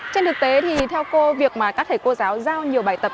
trên thực tế thì theo cô việc mà các thầy cô giáo giao nhiều bài tập